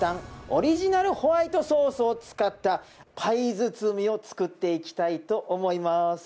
オリジナルホワイトソースを使ったパイ包みを作っていきたいと思います。